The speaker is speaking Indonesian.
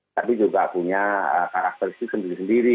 tapi juga punya karakteristik sendiri sendiri